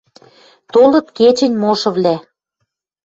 Толыт кечӹнь мошывлӓ.